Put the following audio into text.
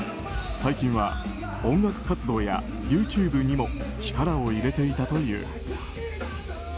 最近は音楽活動やＹｏｕＴｕｂｅにも力を入れていたという。